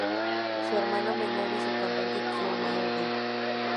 Su hermano menor es el cantante Qiu Mao Di.